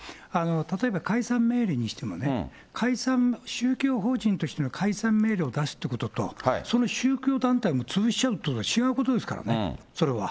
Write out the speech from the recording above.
例えば、解散命令にしても、解散、宗教法人としての解散命令を出すってことと、その宗教団体も潰しちゃうということは違うことですからね、それは。